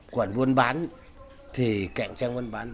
quản vôn bán thì cạnh trang vôn bán